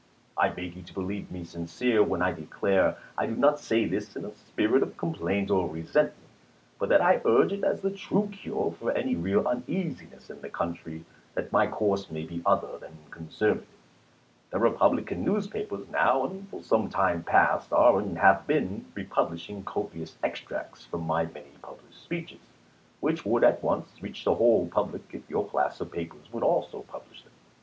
I beg you to believe me sincere, when I declare I do not say this in a spirit of complaint or resentment ; but that I urge it as the true cure for any real uneasiness in the country, that my course may be other than con servative. The Republican newspapers now and for some time past are and have been republishing copious extracts from my many published speeches, which would at once reach the whole public if your class of papers would also publish them.